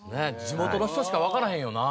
地元の人しかわからへんよな。